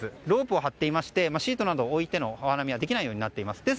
ロープを張っていましてシートなど置いてのお花見はできないようになってます。